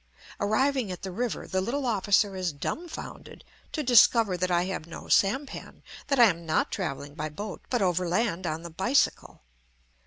Arriving at the river, the little officer is dumbfounded to discover that I have no sampan that I am not travelling by boat, but overland on the bicycle.